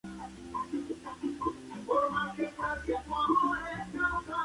La distancia a Boñar, cabecera del municipio es alrededor de once kilómetros.